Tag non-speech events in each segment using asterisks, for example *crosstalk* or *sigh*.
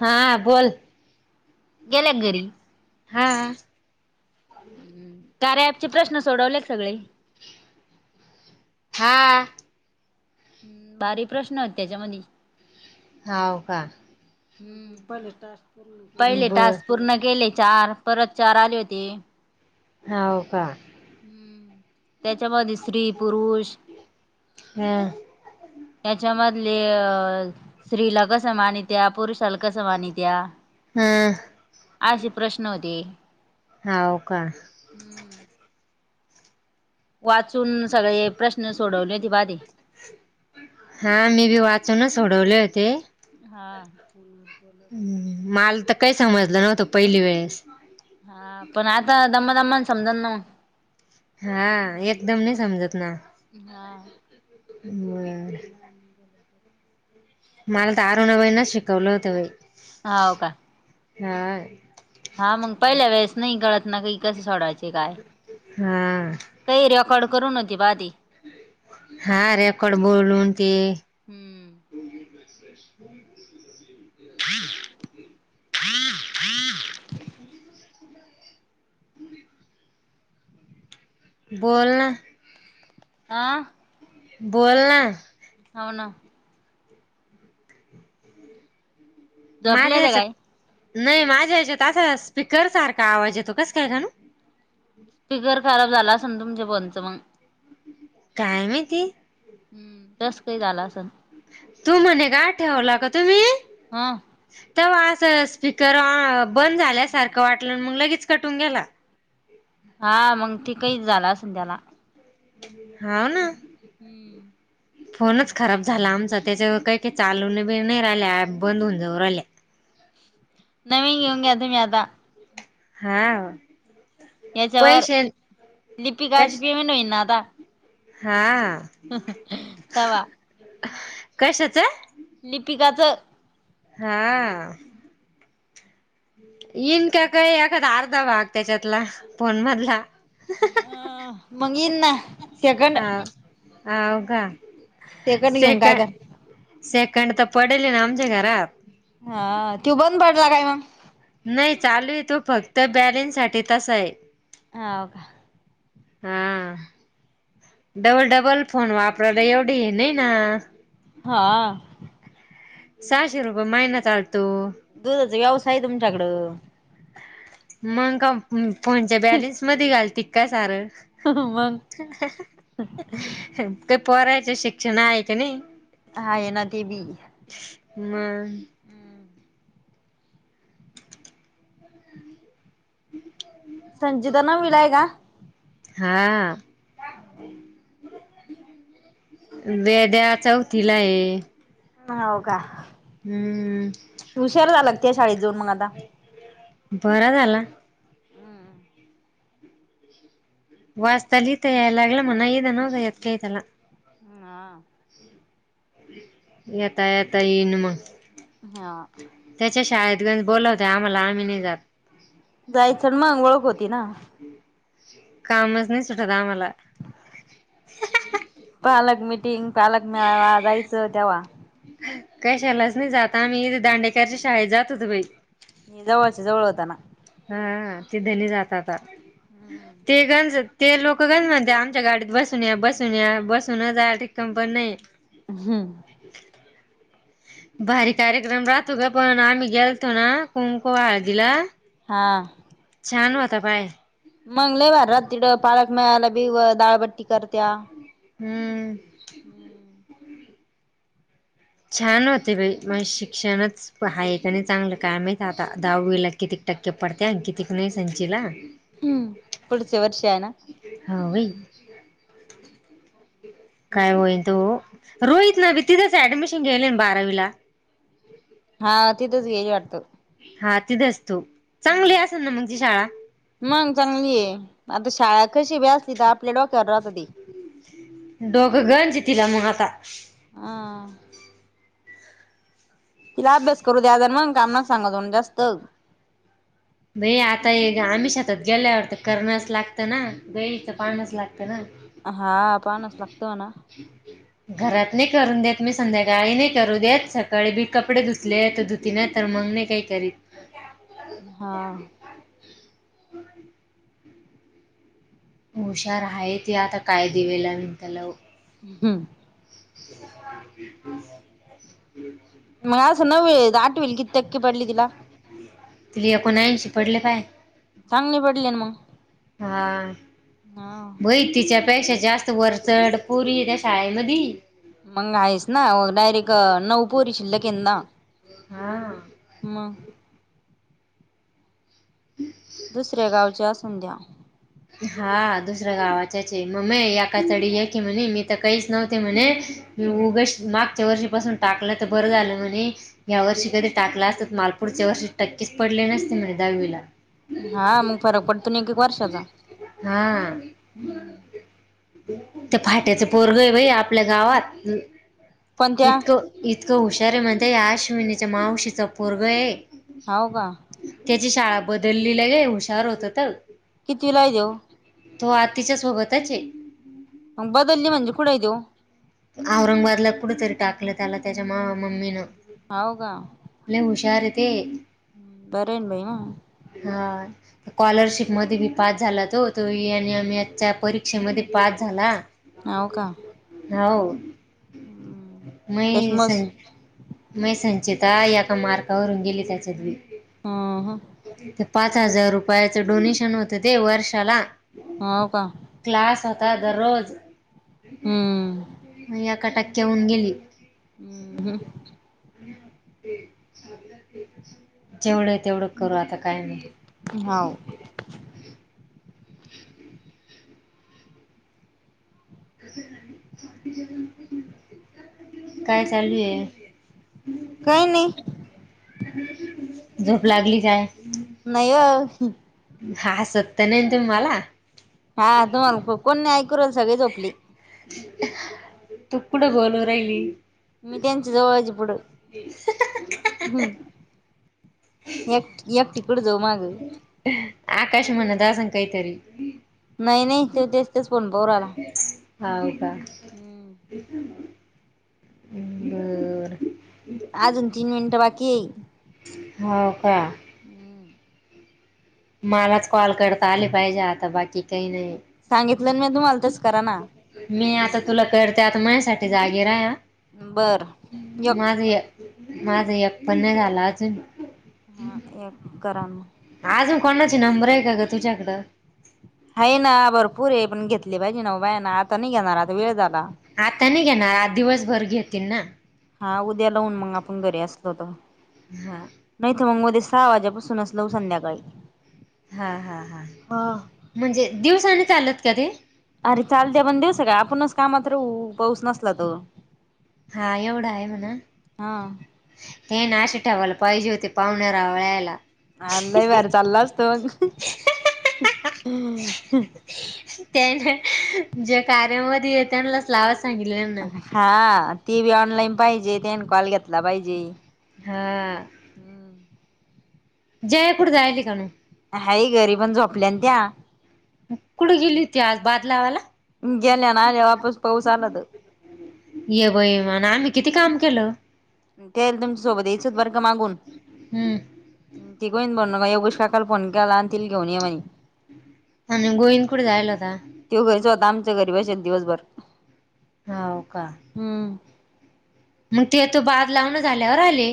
हा बोल गेल्या का घरी? हा. हम् कार्याअँप प्रश्न सोडवले का सगळे? हां हम् भारी प्रश्न होत त्याच्या मधी. हवं का हम् पहिले बर टस्क पूर्ण केले चार परत चार आले होते. हो का हम्म त्याच्यामध्ये स्त्री पुरुष ह त्याच्यामध्ये आपले स्त्रीला कस माणित्या या पुरुषाला कसं मानित्या हम् असे प्रश्न होते हाव का हम् वाच वाचून सगळे प्रश्न सोडवले होती पा ते हा मी बी *unintelligible* होते हा हम् माल तर काही समजलं नव्हतं पहिली वेळेस हा पण आता दमा दममण समजण ना. हा एकदम नाही समजत ना हा बर का मला तर अरुणाबाईना शिकवलं होतं बाई ह हो का हा हा मग पहिल्या वेळेस नाही कळत ना क कसं सोडायच काय हा काही रेकॉर्ड करू नव्हती बाधी हा रेकॉर्ड बोलून ते हम्म हम् बोलण आह बोल ना हो ना माझ्या जपले ते काय ह्याच्यात नाही माझ्या या्याच्यात असा स्पीकर सारखा आवाज येतो कस काय खाणू स्पीकर खराब झाला अस ना तुमच्या फोनचं मग काय माहिती हम्म तस काही झालं असं तू म्हणे का ठेवला का तुम्ही हा तर अस स्पीकर बंद झाल्यासारखं वाटलं मग लगेच कटून गेला हा मग तेिकहीच झालं असध्याला हा ना हम्म फोनच खराब झाला आमचा त्याच्यावर काही काही चालून बी नाही राहिल्या ऍप बंद होऊन जाऊ आल्या नवींग इवंग अ म्याता नवीन घेऊन घ्या तुम्ही आता हा याच्यावर पैसे लिप कााच कश पिमीन होईन ना आता हा तवा कशाचं लिपिकाचं हा इन का काही एखादा अर्धा भाग त्याच्यातला फोन मधला अह मंगी ना सेगंड आवघा शेकड घेऊन काय कर सेकंड तर पडेल ना आमच्या घरात हा ती बंद पडला काय मग नाही चालू आहे तू फक्त बॅलेन्स साठी तस आहे ह हो का हा. डबल डबल फोन वापरायला एवढी नाही ना हा सहाशे रुपये महिनत चालत दुधाचा व्यवसाय आहे तुमच्याकडं मग का फोनच्या बॅलेन्स मध्ये घाल त का सारं मग काही परायच शिक्षण आहे का नाही हाय ना ते बी मग हम् संजिता नवीला आहे का हा वेद्या चौथीला आहे हो का? हम्म. हुशार झाला का शाळेत जाऊन मग आता. बरा झाला. हम्म वाचता लिहिता यायला लागलं म्हणा इथे येत नव्हतं काय त्याला. हा येता येता इन मग. हं त्याच्या शाळेतल्या बोलवत आम्हाला आम्ही नाही जात. जायचं ना मग ओळख होती ना. कामच नाही सुटत आम्हाला. मीटिंग पालक मेळावा जायचं तेव्हा. कशालाच नाही जात आम्ही दांडेकरच्या शाळेत जात होत बाई. जवळच्या जवळ होता ना. हा ते धनी जाताता. *unintelligible* ते लोक काय म्हणतात आमच्या गाडीत बसून या, बसून या, बसूनच या साठी पन नाय. हम्म. भारी कार्यक्रम राहतो का पण आम्ही गेलतो ना कुंकुम हळदीला हां छान होता *inaudible* मंग लय भारी राती पालक मिळालाव डाळ बट्टी करत्या. हम्म हम्म. छान होते बाई माझं शिक्षणच हाय की नाही चांगलं की आता दहावीला किती टक्के पडतात कितीकी नाही संचीला. हम्म, पुढच वर्ष आहे ना? हा वई. काय होईल तो रोहितला बी तिथच ऍडमिशन गेले मी बारावीला. हा तिथच गेली वाटतं. हा तिथेच तू चांगली हम्म. असेल ना म्हणजी शाळा. मग चांगली आहे. आता शाळा कशीभी असली तर आपल्या डोक्यावर राहती. दोघ *inaudible* आ तिला अभ्यास करू द्याजण मग काम सांगा दोन जास्त. बये आता आम्ही शेतात गेल्यावर करणच लागतं ना, बईथ पहाणच लागतं. ना हा पाणस लागतो ना. घरात नाही करून देत, मी संध्याकाळी नाही करू देत सकाळी बी कपडे धुले धुती नाही तर मग नाही काही करत. *unintelligible* हां हुशार आहे ती आता काय दिवे लावील कळल. ह् हम्म. *unintelligible* मग असं नव्हे आठवीत *unintelligible* एकोण ऐशी पडले काय. चांगली पडली ना मग. हा हा बई तिच्यात पेक्षा जास्त वरचड पुरी त्या शाळेमध्ये. मंग आहेच ना, डायरेक्ट नऊ पोरी शिल्लक हेत ना. हा. मग दुसऱ्या गावच्या असूनध्या हा दुसऱ्या गावाच्याचे मग म याका तडी आहे की म्हणे मी तर काहीच नव्हते म्हणे उग मग *unintelligible* च्या *unintelligible* वर्षी पाासून टाकलं तर बरं झालं म्हणे या वर्षी कधी टाकला असत मालपूरच्या वर्षी टक्कीच पडली नसते म्ह दहावीला हा मग फरक पडतो हा हम्म ते फाट्याच पोरगय भाई आपल्या गावात पण त्या इतकं इतकं हुशारीमध्येध्ये आश्विनीच्या मावशीचा पोरग आहे हाव का त्याची शाळा बदललीला गे हुशार होत तर कितवीला आहे त्यो तो आ तिच्या सोबतच मग बदलली म्हणजे कुठे आहे त्यो औरंगाबादला कुठ तरी टाकलं त्याला त्याच्या म मम्मीनं हव का ती हम् बरन भाई ना हा स्कॉलरशिपमध्ये बी पास झाला तो तोनम *unintelligible* आच्या परीक्षेमध्ये पास झाला होव का हो त्याच मय सं मस मय संचेेत काय एका मार्कावरून गेली त्याच्यावी ह *unintelligible* पाच हजार रुपयाचं डोनेशन होतं ते वर्षाला हाव का क्लास होतात दररोज हम्म एका टक्क्या होऊन गेली ह हम जेवढं तेवढं करू आता काय नाही हाव *unintelligible* *unintelligible* काय चालूये काही नाही झोप लागली काय नाही *unintelligible* हा सत्य नाही तुम्ही मला हा तुम्हाला कोणणी ऐकूल *unintelligible* सगळी झोपली तू कुठं बोलू राहिली मी त्यांच्या जवळज पुढं ह एकक *unintelligible* टिकड जाऊ माग आकाश म्हणा दासन काहीतरी नाही नाही ते तेच तेच पण पऊर आला हव का बरं अजून तीन मिनिटं बाकी येई हो का हम्म मलाच कॉल करता आली पाहिजे आता बाकी काही नाही सांगितलं मी तुम्हाला तेच करा ना मी आता तुला कळते आता माझ्या साठी जागे रा बर ज *unintelligible* माझं एक पण नाही झालं अजून हा एक करा ना अजून कोणाची नंबर आहे का ग तुझ्याकडं आहे ना भरपूर आहे पण घेतली पाहिजे ना बाय ना आता नाही घेणार आता वेळ झाला त्यांनी घेणार आज दिवसभर घेतील ना. हा उद्या लाहून मग आपण घरी असलो तर हा नाही तर मग उद्या सहा वाजापासूनच लाऊ संध्याकाळी. हा हा हा म्हणजे दिवसाने चालत का ते. अरे चालते पण दिवसा का आपणच कामात रहू पाऊस नसला तो. हा एवढा आहे म्हणा हा हे ना शट ठेवायला पाहिजे होते *unintelligible* आवळयला. आ लय बारी चालल असत मग. *inaudible* त्यान ज्या कार्यामध्ये येतनलाच लावाच. हा ती वी ऑनलाईन पाहिजे त्यान कॉल घेतला पाहिजे. हा जया कुट जायायली का नाई हाई घरी पण झोपल्यान त्या. कुड गेली होती आज बादलावाला. गेल्या ना आल्या वापस पाऊस आलात. ये ब ये म्हण आम्ही किती काम केलं. तेईल तुमच्या सोबत याचच बर का मागून हम्म तिकईन बन विशाकाला फोन कला आणतील घेऊन य म्हणे. आणि गोईंद कुडे जायला होता. आता आमच्या घरी बसेन दिवसभर. हाव का हम्म मग ते तो बाद लावून झाल्यावर आले.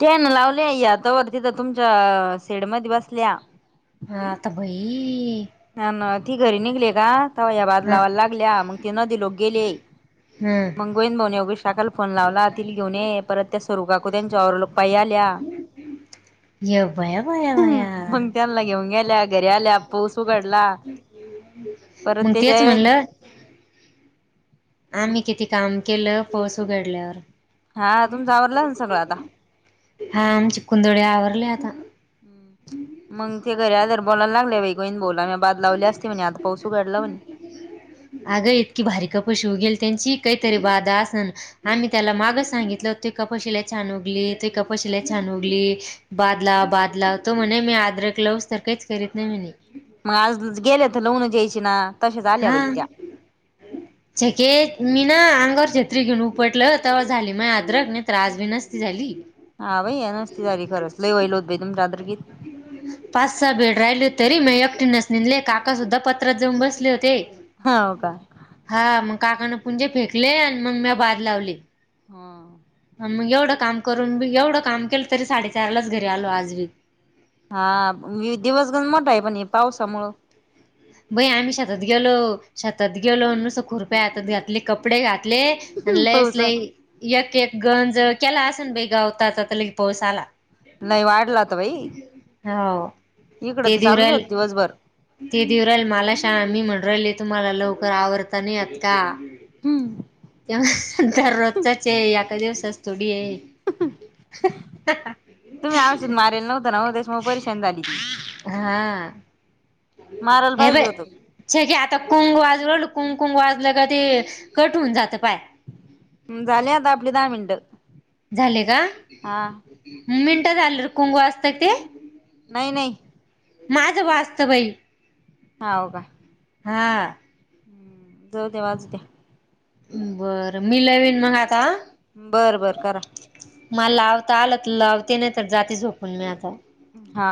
तेन लावले या तवर तिथं तुमच्या आ शेड मदी बसल्या. हाता बई ना ना ती घरी निघली का तवया बाद हा लावा लागल्या मग ते नदी लोक गेले. हम्म मगोईन भाऊणे विशाकाला फोन लावला तिल घेऊन ये परत त्या स्वरुगाकू त्यांच्यावर लोकपाई आल्या. ह येऊ मंग त्यांनला घेऊ गेल्या. घरी आल्या पोस उघडला परत मग तेज्या तेच म्हणलं आम्ही किती काम केलं पोस उघडल्यावर. हा तुम्ही आवरलन सगळं आता. हा आमची कुंदोळी आवरले आता. हम् मग ते घराधर बोलालागल्या बाई *unintelligible* बोला अगं इतकी भारी *unintelligible* गेल त्यांची काहीतरी बाधा असन आम्ही त्याला माग सांगितलं तू *unintelligible* छान उगली तु *unintelligible* छान ली बादला बादला तो म्हणे मी आदरक लवस तर काहीच करीत नाही मीनई. मग आज ज गेले तर लऊनच जा्ययची ना. तशाच आल्या हा बाई त्या छकेत मी ना अंगावर छत्री घेऊन उपटलं तवा झाली माय अद्रक नाही तर आज बी नसती झाली. हा बई नसती झाली खरंच लईवाईल लोत तुमच्यादरगीत पाच सहा बेड राहिले होते तरी मी एकठीेनच निेनले काकासुद्धा पत्रात जाऊन बसले होते. हा हो का हा मग काकानं पुणजे फेकले आणि मग म्या बाद लावले. हा मग एवढं काम करून मी एवढं काम केलं तरी साडेचार लाच घरी आलो आज बी. हा मी दिवसगण मोठा ये पण हे पावसामुळं बई आम्ही शतात गेलो शातात गेलो नुस खुरप्या आतात घातले कपडे आत ले न लयचं पावसा लई एक एक गंज केला असेल बाई गावताचा तर लगे पाऊस आला. नाही वाढला होता बाई हो इकडं ते तर देऊ चालूच रायले होत दिवसभर ते देऊ राहील मला शा मी म्हणु रायले तुम्हाला लवकर आवरता नाई येत का? हम्म तेव्हा दररोजचच ये एका दिवसाात थोडी ये. तुम्ही औषध मारेला नव्हतां ना ओ त्याच्यामुळं परिशान झाली ती. हा मारायला नाय बय पाहिजे होतं सगे आता कुंग वाज कुंगंकुंग वाजलं का ते कट होऊन जातं पाय झाले आता आपली दहा मिनिटं झाले का हा मिनटं झालं र कुंग वाजत ते नाई नाई. माझं वाजत बाई हाव का. हा हम्म जाऊ दया वाजू द्या. बरं मी लावीन मग आता हा बरं बर करा. मला लावता आलं तर लावते नाय तर जाते झोपूण मी आता हा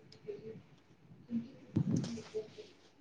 *inaudible*